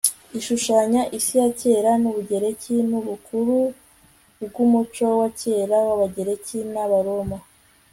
ishushanya isi ya kera yubugereki nubukuru bwumuco wa kera wabagereki nu baroma